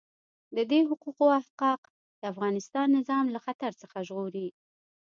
د دې حقوقو احقاق د افغانستان نظام له خطر څخه ژغوري.